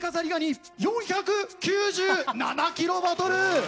４９７キロバトル！